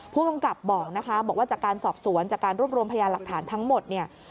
ผู้กำกับบอกว่าจากการสอบสวนจากการรวบรวมพยาห์หลักฐานทั้งหมด